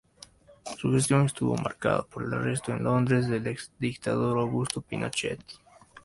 Su gestión estuvo marcada por el arresto en Londres del exdictador Augusto Pinochet.